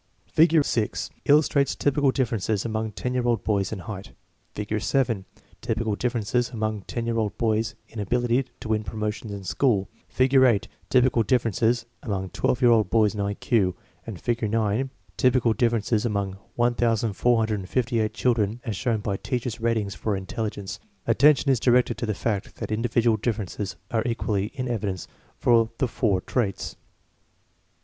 Figure 6 illustrates typical differences among ten year old boys in height; Figure 7, typical differences among ten year old boys in ability to win promotions in school; Figure 8, typi cal differences among twelve year old boys in I Q; and Figure 9, typical differences among 1458 children as shown by teachers' ratings for intelligence. Attention is directed to the fact that individual differences are equally in evidence for the four traits.